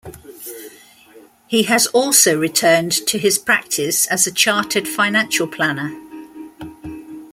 He has also returned to his practice as a chartered financial planner.